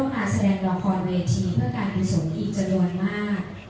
ร่วมงานแสดงละครเวทีเพื่อการอินสมทีเจริญมาก